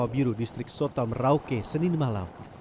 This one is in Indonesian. kampung yakiu berada di distrik sota merauke senin malam